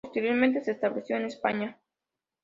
Posteriormente se estableció en España.